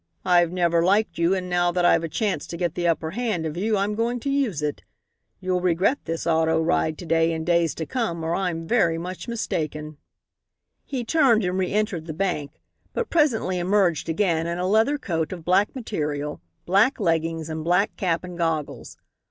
I've never liked you, and now that I've a chance to get the upper hand of you I'm going to use it. You'll regret this auto ride to day in days to come, or I'm very much mistaken." He turned and reëntered the bank, but presently emerged again in a leather coat of black material, black leggings and black cap and goggles.